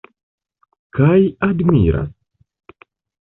Kaj admiras.